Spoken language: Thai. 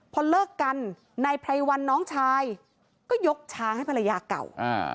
พอเลิกกันนายไพรวันน้องชายก็ยกช้างให้ภรรยาเก่า